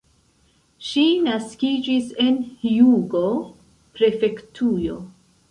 Ŝi naskiĝis en Hjogo-prefektujo.